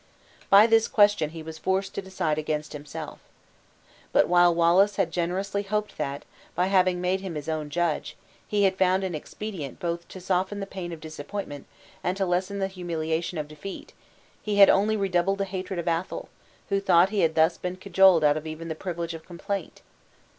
By this question he was forced to decide against himself. But while Wallace generously hoped that, by having made him his own judge, he had found an expedient both to soften the pain of disappointment and to lessen the humiliation of defeat, he had only redoubled the hatred of Athol, who thought he had thus been cajoled out of even the privilege of complaint.